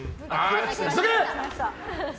急げ！